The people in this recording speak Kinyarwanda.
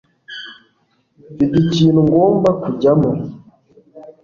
Mfite ikintu ngomba kujyamo